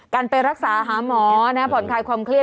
การไปรักษาหาหมอผ่อนคลายความเครียด